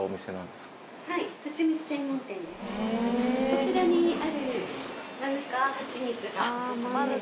こちらにある。